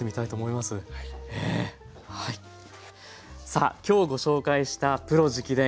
さあ今日ご紹介した「プロ直伝！